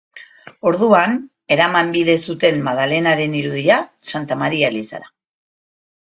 Orduan, eraman bide zuten Madalenaren irudia Santa Maria elizara.